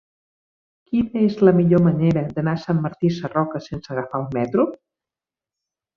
Quina és la millor manera d'anar a Sant Martí Sarroca sense agafar el metro?